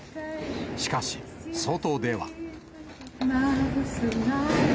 しかし、外では。